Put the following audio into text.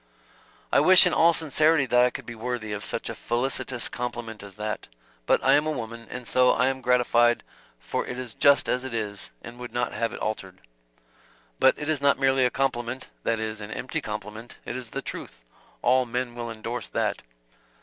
"I wish in all sincerity that I could be worthy of such a felicitous compliment as that. But I am a woman, and so I am gratified for it just as it is, and would not have it altered." "But it is not merely a compliment that is, an empty complement it is the truth. All men will endorse that."